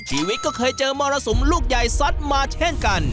ชีวิตก็เคยเจอมรสุมลูกใหญ่ซัดมาเช่นกัน